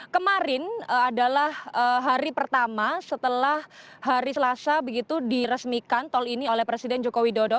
kemarin adalah hari pertama setelah hari selasa begitu diresmikan tol ini oleh presiden joko widodo